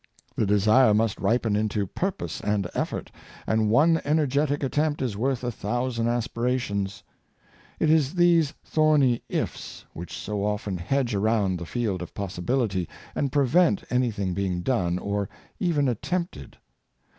The de sire must ripen into purpose and effort; and one ener getic attempt is worth a thousand aspirations. It is these thorny "ifs'' which so often hedge around the field of possibility, and prevent anything being done or even attempted.